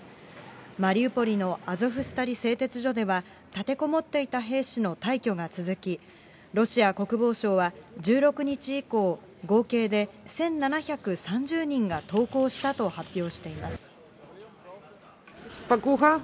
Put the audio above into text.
マリウポリのアゾフスタリ製鉄所では、立てこもっていた兵士の退去が続き、ロシア国防省は１６日以降、合計で１７３０人が投降したと発表しています。